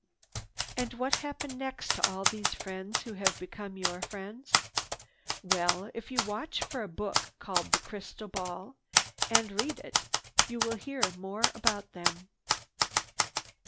And what happened next to all these people who have become your friends? Well, if you watch for a book called The Crystal Ball and read it you will hear more about them.